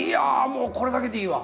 もうこれだけでいいわ！